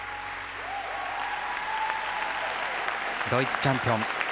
ドイツチャンピオン。